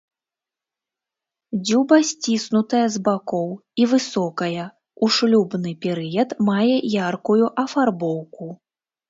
Дзюба сціснутая з бакоў і высокая, у шлюбны перыяд мае яркую афарбоўку.